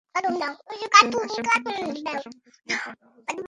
সৈয়দ আশরাফ দীর্ঘ সময় সাধারণ সম্পাদক ছিলেন, এখন আরও গুরুত্বপূর্ণ দায়িত্বে গেলেন।